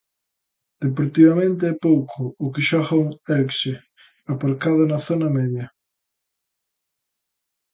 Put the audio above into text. Deportivamente é pouco o que xoga un Elxe aparcado na zona media.